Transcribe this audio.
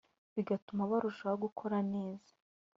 bigatuma barushho gukora neza